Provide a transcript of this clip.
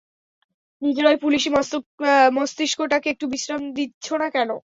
নিজের ওই পুলিশি মস্তিষ্কটাকে একটু বিশ্রাম দিচ্ছ না কেন?